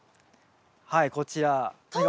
はいこちら。